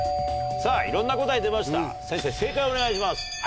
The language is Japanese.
さぁいろんな答え出ました先生正解をお願いします。